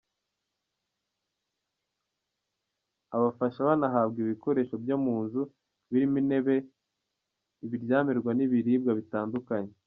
Abafasha banahabwa ibikoresho byo mu nzu birimo intebe, ibiryamirwa n’ibiribwa bitandukanye.